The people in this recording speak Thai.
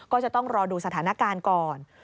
ก็จะต้องรอดูสถานการณ์ก่อน